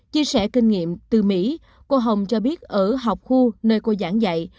chia sẻ kinh nghiệm từ mỹ cô hồng cho biết ở học khu nơi cô giảng dạy